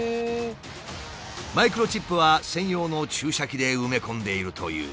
マイクロチップは専用の注射器で埋め込んでいるという。